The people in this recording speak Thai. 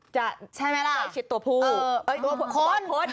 ใช่ไหมล่ะโคตรโคตรครับผู้ชายโคตร